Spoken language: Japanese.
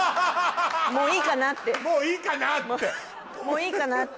もういいかなって？